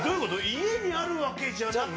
家にあるわけじゃなくて？